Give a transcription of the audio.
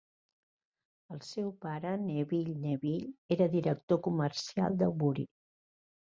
El seu pare, Neville Neville, era director comercial de Bury.